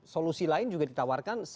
solusi lain juga ditawarkan